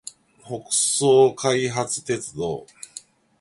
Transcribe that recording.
北総開発鉄道